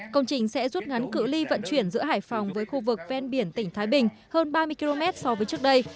công trình sẽ rút ngắn cự li vận chuyển giữa hải phòng với khu vực ven biển tỉnh thái bình hơn ba mươi km so với trước đây